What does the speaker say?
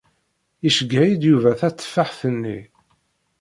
Iceyyer-iyi-d Yuba tateffaḥt-nni.